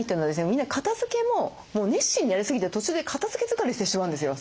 みんな片づけも熱心にやりすぎて途中で片づけ疲れしてしまうんですよ